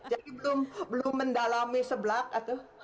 jadi belum belum mendalami seblak itu